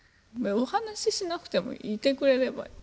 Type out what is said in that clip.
お話ししなくてもいてくれればいい。